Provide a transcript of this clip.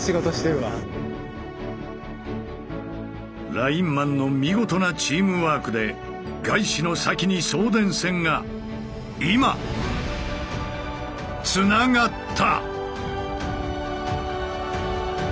ラインマンの見事なチームワークでガイシの先に送電線が今つながった。